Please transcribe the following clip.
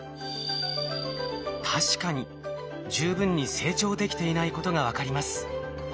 確かに十分に成長できていないことが分かります。